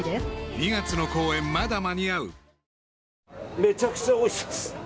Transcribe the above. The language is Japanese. めちゃくちゃおいしそうです。